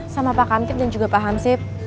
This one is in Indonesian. sama pak kamtip dan juga pak hamsip